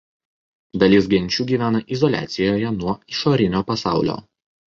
Dalis genčių gyvena izoliacijoje nuo išorinio pasaulio.